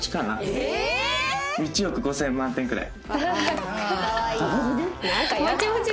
１億５０００万点くらい。